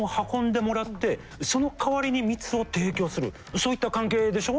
そういった関係でしょ？